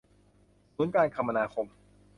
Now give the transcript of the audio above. ศูนย์การคมนาคม